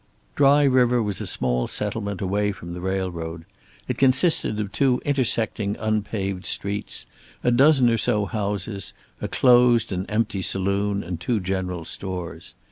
Dry River was a small settlement away from the railroad. It consisted of two intersecting unpaved streets, a dozen or so houses, a closed and empty saloon and two general stores.